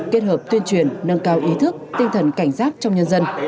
kết hợp tuyên truyền nâng cao ý thức tinh thần cảnh giác trong nhân dân